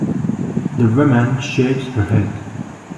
The woman shakes her head.